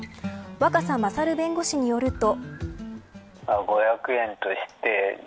若狭勝弁護士によると。